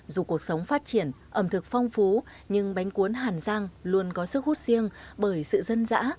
dù cuộc sống phát triển ẩm thực phong phú nhưng bánh cuốn hàn giang luôn có sức hút riêng bởi sự dân dã